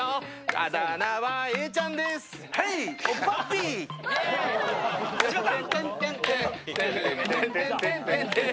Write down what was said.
あだ名はエイちゃんです